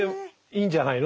いいんじゃない？